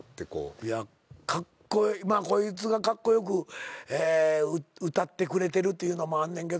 いやカッコイイまあこいつがカッコ良く歌ってくれてるというのもあんねんけど。